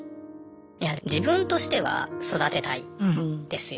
いや自分としては育てたいですよ。